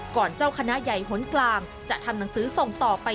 เจ้าคณะใหญ่หนกลางจะทำหนังสือส่งต่อไป